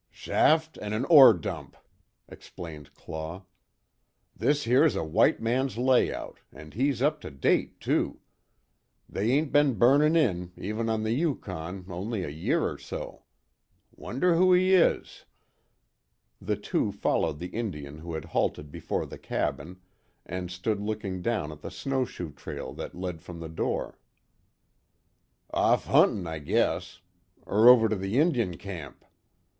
"Shaft, an' an ore dump," explained Claw. "This here's a white man's layout, an' he's up to date, too. They ain't be'n burnin' in, even on the Yukon, only a year or so. Wonder who he is?" The two followed the Indian who had halted before the cabin, and stood looking down at the snowshoe trail that led from the door. "Off huntin', I guess. Er over to the Injun camp.